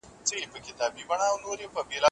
د دعا په پای کې هم درود شریف ووایئ.